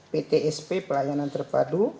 ptsp pelayanan terpadu